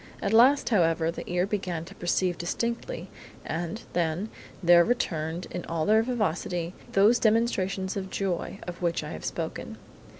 At last, however, the ear began to perceive distinctly, and, then, there returned in all their vivacity, those demonstrations of joy of which I have spoken.